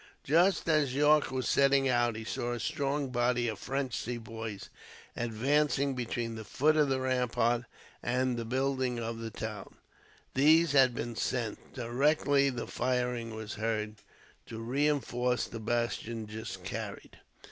Just as Yorke was setting out he saw a strong body of French Sepoys, advancing between the foot of the ramparts and the buildings of the town. These had been sent, directly the firing was heard, to reinforce the bastion just carried.